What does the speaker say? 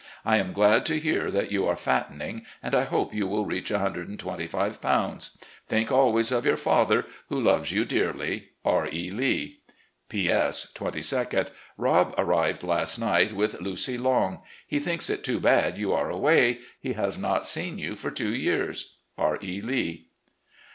I am glad to hear that you are fattening, and I hope you will reach 125 lbs. Think always of your father, who loves you dearly. "R. E. Lee. "P. S., 2 2d. — ^Rob arrived last night with 'Lucy Long.' He thinks it too bad you are away. He has not seen you for two years. "R. E. Lee."